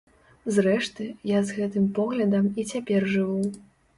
Зрэшты, я з гэтым поглядам і цяпер жыву.